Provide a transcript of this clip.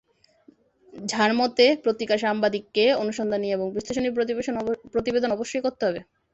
ঝার মতে, পত্রিকার সাংবাদিককে অনুসন্ধানী এবং বিশ্লেষণী প্রতিবেদন অবশ্যই করতে হবে।